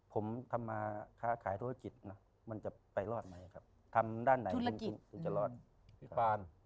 ผมทำมาค้าขายธุรกิจนะมันจะไปรอดไหมครับทำด้านไหนคุณจะรอดพี่ปาน